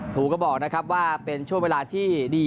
ถูกก็บอกนะครับว่าเป็นช่วงเวลาที่ดี